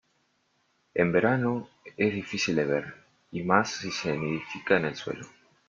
En verano es difícil de ver, y más si nidifica en el suelo.